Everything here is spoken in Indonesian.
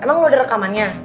emang lo ada rekamannya